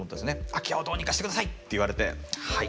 「空き家をどうにかしてください」って言われて「はい」。